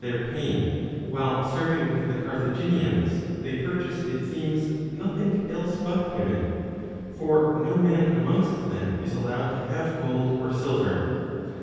AUSCULTATIONIBUS 84 93 8 37* their pay, while serving with the Carthaginians, they pur chase, it seems, nothing else but women ; for no man amongst them is allowed to have gold or silver.